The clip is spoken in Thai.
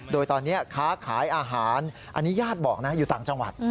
โดยตอนนี้ค้าขายอาหารอันนี้ญาติบอกนะอยู่ต่างจังหวัด